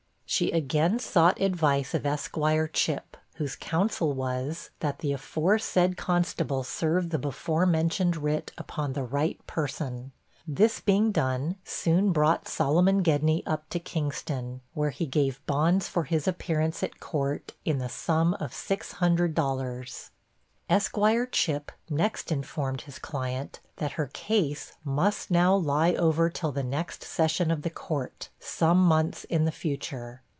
She again sought advice of Esquire Chip, whose counsel was, that the aforesaid constable serve the before mentioned writ upon the right person. This being done, soon brought Solomon Gedney up to Kingston, where he gave bonds for his appearance at court, in the sum of $600. Esquire Chip next informed his client, that her case must now lie over till the next session of the court, some months in the future.